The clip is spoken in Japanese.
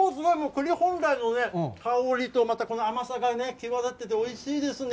栗本来の香りと、またこの甘さがね、際立ってておいしいですね。